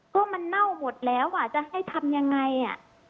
ก็มันเน่าหมดแล้วอ่ะจะให้ทำยังไงอ่ะ